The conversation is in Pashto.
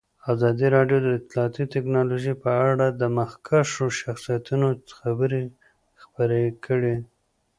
ازادي راډیو د اطلاعاتی تکنالوژي په اړه د مخکښو شخصیتونو خبرې خپرې کړي.